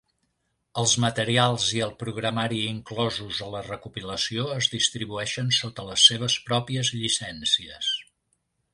Els materials i el programari inclosos a la recopilació es distribueixen sota les seves pròpies llicències.